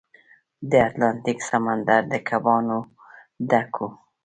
د اتلانتیک سمندر د کبانو ډک و.